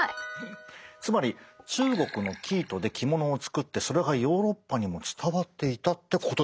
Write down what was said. つまり中国の生糸で着物を作ってそれがヨーロッパにも伝わっていたってことですよね。